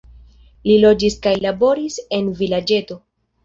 Li loĝis kaj laboris en vilaĝeto.